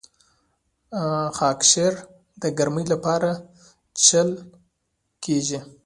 خاکشیر د ګرمۍ لپاره څښل کیږي.